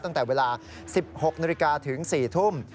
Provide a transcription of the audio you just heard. ตั้งแต่เวลา๑๖๐๐นถึง๑๖๐๐น